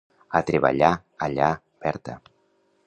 A treballar, allà, Berta.